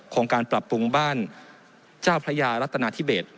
โครงการปรับปรุงบ้านเจ้าพระยารัฐนาธิเบส